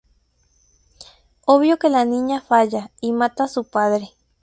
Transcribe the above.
Obvio que la niña falla y mata a su padre.